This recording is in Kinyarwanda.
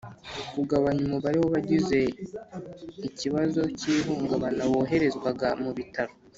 Kugabanya umubare w abagize ikibazo cy ihungabana woherezwaga mu bitaro